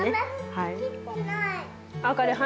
はい。